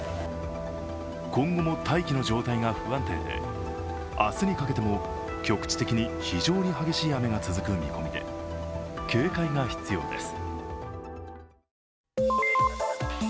今後も大気の状態が不安定で明日にかけても局地的に非常に激しい雨が続く見込みで警戒が必要です。